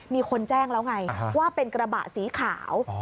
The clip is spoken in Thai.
มีคนแจ้งแล้วไงว่าเป็นกระบะสีขาว